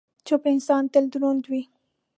چپ انسان، تل دروند وي.